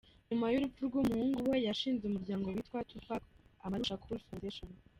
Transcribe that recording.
Nyuma y’urupfu rw’umuhungu we yashinzi umuryango witwa Tupac Amaru Shakur Foundation.